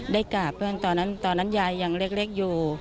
ได้กราบใช่ค่ะตอนนั้นยายอย่างเล็กอยู่